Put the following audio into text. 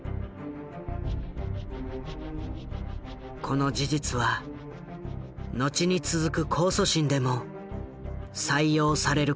この事実は後に続く控訴審でも採用されることになる。